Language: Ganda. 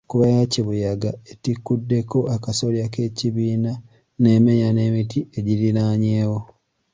Enkuba eya kibuyaga etikkuddeko akasolya k'ekibiina n'emenya n'emiti egiriraanyeewo